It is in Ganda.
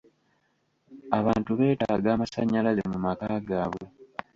Abantu beetaaga amasanyalaze mu maka gaabwe.